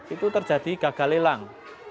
itu terjadi gagal ilang